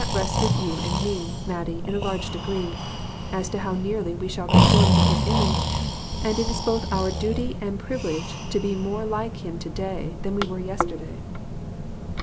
rests with you and me, Mattie, in a large degree, as to how nearly we shall conform to his image, and it is both our duty and privilege to be more like him to day than we were yesterday."